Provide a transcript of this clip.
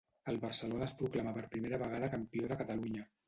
El Barcelona es proclama per primera vegada campió de Catalunya.